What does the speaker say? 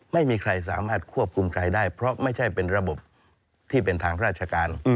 ไม่มีใครสามารถควบคุมใครได้เพราะไม่ใช่เป็นระบบที่เป็นทางราชการ